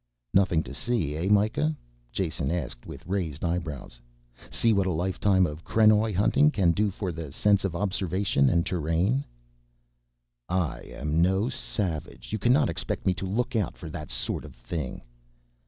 "Nothing to be seen, Mikah?" Jason asked with raised eyebrows. "See what a lifetime of krenoj hunting can do for the sense of observation and terrain." "I am no savage. You cannot expect me to look out for that sort of thing."